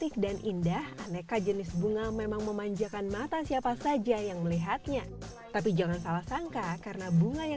ini dipilih khusus agar mempercantik tampilan tanpa merusak rasa makanannya